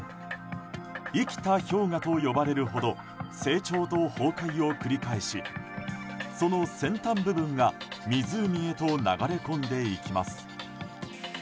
生きた氷河と呼ばれるほど成長と崩壊を繰り返しその先端部分が湖へと流れ込んでいきます。